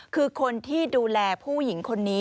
คือคนที่ดูแลผู้หญิงคนนี้